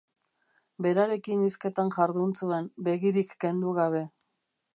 Berarekin hizketan jardun zuen, begirik kendu gabe.